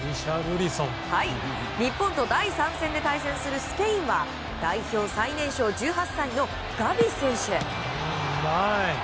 日本と第３戦で対戦するスペインは代表最年少１８歳のガビ選手。